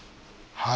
はい。